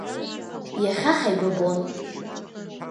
Иахьа ҳаибабон.